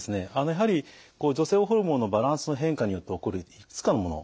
やはり女性ホルモンのバランスの変化によって起こるいくつかのもの